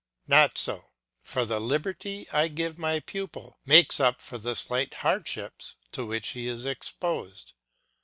Not so; for the liberty I give my pupil makes up for the slight hardships to which he is exposed.